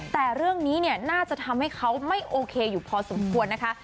แต่เรื่องนี้เนี่ยน่าจะทำให้เขาไม่โอเคอยู่พอสมควรนะคะ